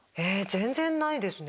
全然ないですね。